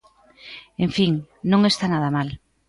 En fin, non está nada mal.